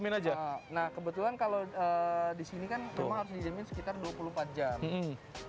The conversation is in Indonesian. nah kebetulan kalo disini kan rumah harus di diemin sekitar dua puluh empat jam